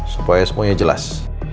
supaya semuanya jelas